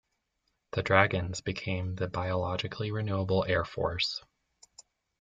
The dragons became the biologically renewable air force.